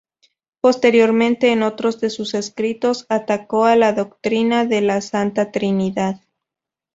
Posteriormente en otros de sus escritos atacó a la doctrina de la Santa Trinidad.